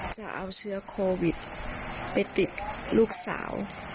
จะเอาเชื้อโควิดไปติดลูกสาว